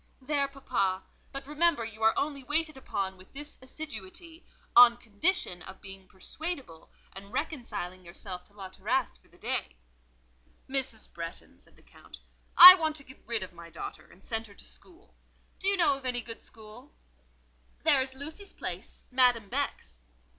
"There, papa: but remember you are only waited upon with this assiduity; on condition of being persuadable, and reconciling yourself to La Terrasse for the day." "Mrs. Bretton," said the Count, "I want to get rid of my daughter—to send her to school. Do you know of any good school?" "There is Lucy's place—Madame Beck's."